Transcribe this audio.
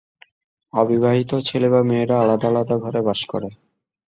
অবিবাহিত ছেলে বা মেয়েরা আলাদা আলাদা ঘরে বাস করে।